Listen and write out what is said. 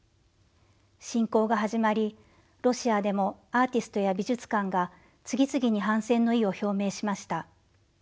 侵攻が始まりロシアでもアーティストや美術館が次々に反戦の意を表明しました。